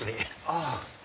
ああ。